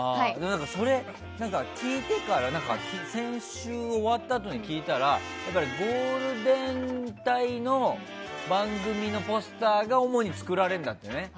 それ、聞いてから先週、終わったあとに聞いたらゴールデン帯の番組のポスターが主に作られるんだってね。